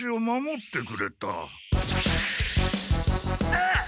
あっ！